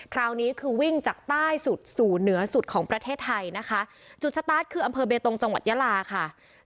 คราวนี้คือวิ่งจากใต้สุดสู่เหนือสุดของประเทศไทยนะคะจุดสตาร์ทคืออำเภอเบตงจังหวัดยาลาค่ะ